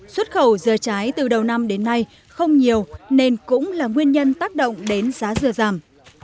xuất khẩu dừa trái từ đầu năm đến nay không nhiều nên cũng là nguyên nhân tác động đến giá dừa giảm